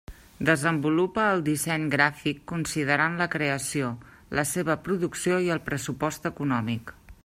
Desenvolupa el disseny gràfic considerant la creació, la seva producció i el pressupost econòmic.